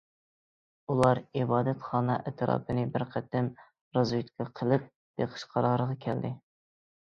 ئۇلار ئىبادەتخانا ئەتراپىنى بىر قېتىم رازۋېدكا قىلىپ بېقىش قارارىغا كەلدى.